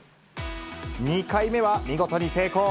２回目は見事に成功。